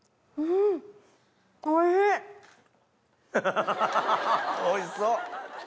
ハハハおいしそう。